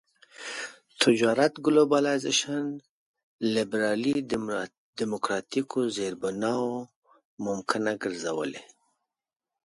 تجارت ګلوبلایزېشن لېبرالي ډيموکراټيکو زېربناوو ممکنه ګرځولي.